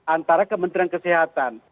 antara kementerian kesehatan